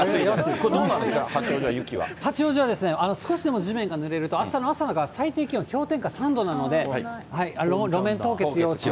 これどうなんですか、八王子は、少しでも地面がぬれると、あしたの朝が最低気温氷点下３度なので、路面凍結要注意。